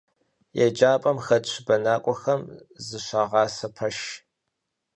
ЕджапӀэм хэтщ бэнакӀуэхэм зыщагъасэ пэш.